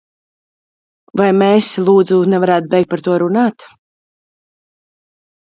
Vai mēs, lūdzu, nevarētu beigt par to runāt?